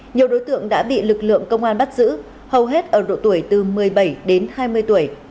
nhiều đối tượng đã bị lực lượng công an bắt giữ hầu hết ở độ tuổi từ một mươi bảy đến hai mươi tuổi